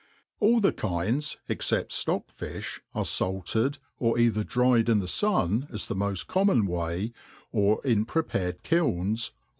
^• ALL the kinds, except ftock fiih, are filted, or eitber dried in the fun, as the moil common way, or in prepared kilns, or.